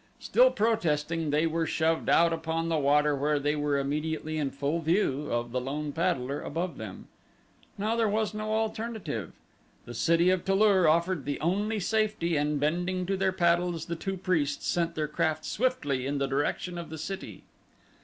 Still protesting they were shoved out upon the water where they were immediately in full view of the lone paddler above them. Now there was no alternative. The city of Tu lur offered the only safety and bending to their paddles the two priests sent their craft swiftly in the direction of the city.